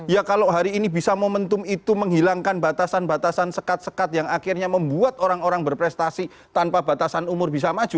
ya kalau hari ini bisa momentum itu menghilangkan batasan batasan sekat sekat yang akhirnya membuat orang orang berprestasi tanpa batasan umur bisa maju